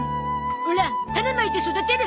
オラタネまいて育てる。